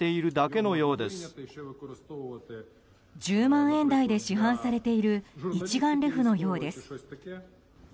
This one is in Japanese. １０万円台で市販されている一眼レフのようです。